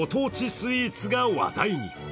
スイーツが話題に。